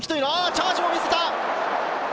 チャージを見せた！